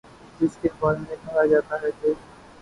جس کے بارے میں کہا جاتا ہے کہ